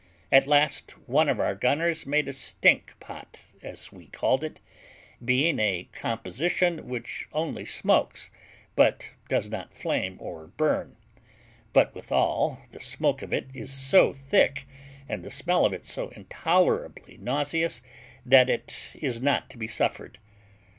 At last, one of our gunners made a stink pot, as we called it, being a composition which only smokes, but does not flame or burn; but withal the smoke of it is so thick, and the smell of it so intolerably nauseous, that it is not to be suffered.